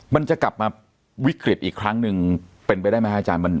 มันจะกลับมาวิกฤตอีกครั้งหนึ่งเป็นไปได้ไหมครับอาจารย์